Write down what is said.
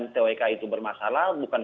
twk itu bermasalah bukan